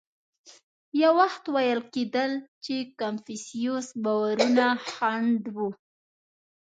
یو وخت ویل کېدل چې کنفوسیوس باورونه خنډ و.